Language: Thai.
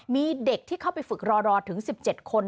มีเด็กที่เข้าไปฝึกรอถึง๑๗คน